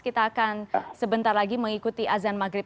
kita akan sebentar lagi mengikuti azan maghrib